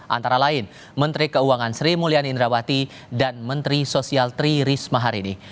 antara lain menteri keuangan sri mulyani indrawati dan menteri sosial tri risma hari ini